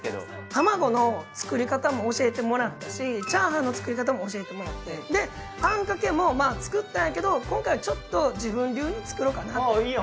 たまごの作り方も教えてもらったしチャーハンの作り方も教えてもらってであんかけもまあ作ったんやけど今回はちょっと自分流に作ろうかなって思いまして。